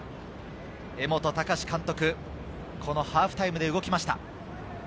江本孝監督、このハーフタイムで動きました。